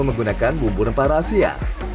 menggunakan bumbu rempah rahasia